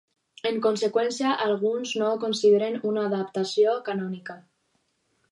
En conseqüència, alguns no ho consideren una adaptació canònica.